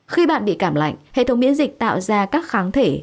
khi bạn bị cảm lạnh hệ thống miễn dịch tạo ra các kháng thể